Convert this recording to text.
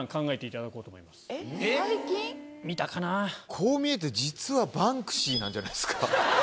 こう見えて実はバンクシーなんじゃないですか？